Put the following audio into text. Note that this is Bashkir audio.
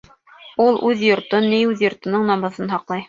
Ул үҙ йортон, ни, үҙ йортоноң намыҫын һаҡлай.